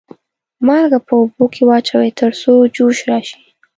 مالګه په اوبو کې واچوئ تر څو جوش راشي.